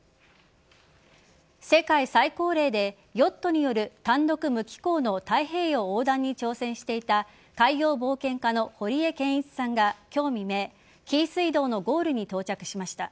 世界最高齢でヨットによる単独無寄港の太平洋横断に挑戦していた海洋冒険家の堀江謙一さんが今日未明紀伊水道のゴールに到着しました。